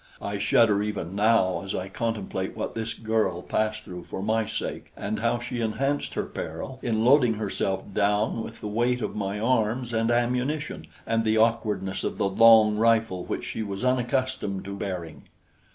I shudder even now as I contemplate what this girl passed through for my sake and how she enhanced her peril in loading herself down with the weight of my arms and ammunition and the awkwardness of the long rifle which she was unaccustomed to bearing.